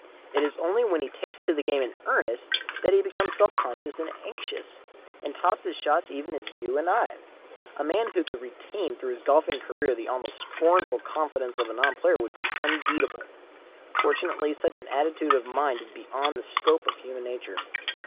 It is only when he takes to the game in earnest that he becomes self conscious and anxious, and tops his shots even as you and I. A man who could retain through his golfing career the almost scornful confidence of the non player would be unbeatable. Fortunately such an attitude of mind is beyond the scope of human nature.